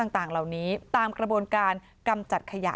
ต่างเหล่านี้ตามกระบวนการกำจัดขยะ